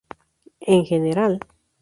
En general.